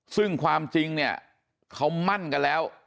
ซึ่งความจริงเนี่ยเขามั่นกันแล้ว